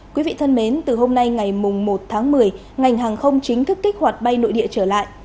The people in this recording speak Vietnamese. quý vị thân mến từ hôm nay ngày một tháng một mươi ngành hàng không chính thức kích hoạt bay nội địa trở lại